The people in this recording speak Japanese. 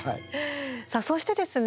さあ、そしてですね